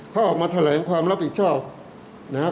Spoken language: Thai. เขาออกมาแทรงความรับผิดชอบนะฮะ